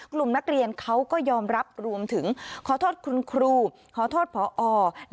กลุ่มนักเรียนเขาก็ยอมรับรวมถึงขอโทษคุณครูขอโทษผอเชิญนักเรียน